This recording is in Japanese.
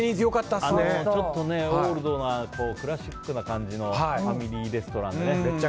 ちょっとオールドなクラシックな感じのファミリーレストランね。